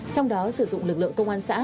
trong đó sử dụng lực lượng công an xã